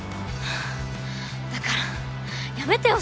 だからやめてよ